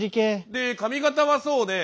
で髪形はそうね。